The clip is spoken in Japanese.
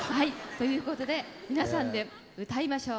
ということで皆さんで歌いましょう。